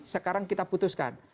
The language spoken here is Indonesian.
sekarang kita putuskan